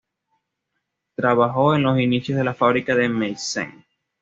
Trabajó en los inicios de la fábrica de Meissen.